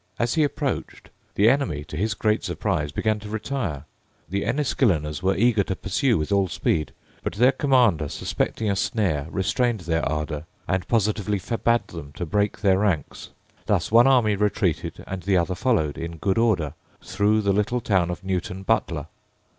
As he approached, the enemy, to his great surprise, began to retire. The Enniskilleners were eager to pursue with all speed: but their commander, suspecting a snare, restrained their ardour, and positively forbade them to break their ranks. Thus one army retreated and the other followed, in good order, through the little town of Newton Butler.